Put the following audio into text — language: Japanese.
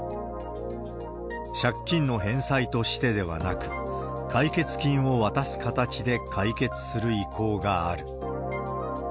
借金の返済としてではなく、解決金を渡す形で解決する意向がある。